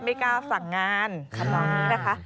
ไม่กล้าสั่งงานทำนองนี้นะคะ